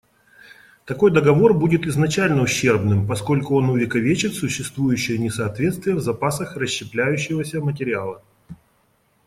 Такой договор будет изначально ущербным, поскольку он увековечит существующее несоответствие в запасах расщепляющегося материала.